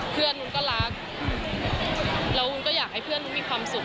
เพื่อนวุ้นก็รักแล้ววุ้นก็อยากให้เพื่อนมีความสุข